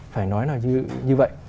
phải nói là như vậy